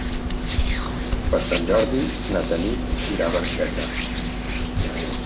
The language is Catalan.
Per Sant Jordi na Tanit irà a Barxeta.